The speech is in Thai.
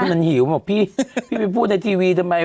มันหิวบอกพี่พี่ไปพูดในทีวีทำไม